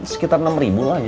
sekitar enam lah ya